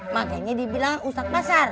makanya dibilang ustadz pasar